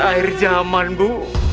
air jaman bu